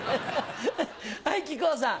はい木久扇さん。